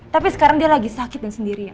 tapi sekarang dia lagi sakit dan sendirian